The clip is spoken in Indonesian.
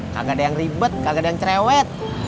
gak ada yang ribet kagak ada yang cerewet